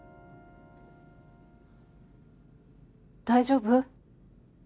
大丈夫？